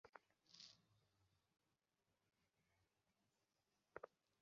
আমি জানি সে কে।